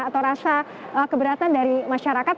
atau rasa keberatan dari masyarakat